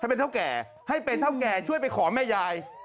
เป็นเท่าแก่ให้เป็นเท่าแก่ช่วยไปขอแม่ยาย